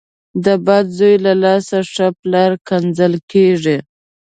ـ د بد زوی له لاسه ښه پلار کنځل کېږي .